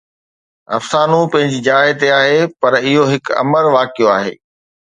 افسانو پنهنجي جاءِ تي آهي، پر اهو هڪ امر واقعو آهي